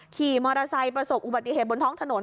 ขี่มอเตอร์ไซค์ประสบอุบัติเหตุบนท้องถนน